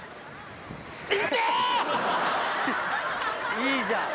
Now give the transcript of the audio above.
いいじゃん。